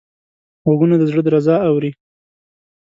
غوږونه د زړه درزا اوري